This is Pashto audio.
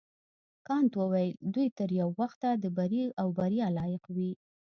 کانت وویل دوی تر یو وخته د بري او بریا لایق وي.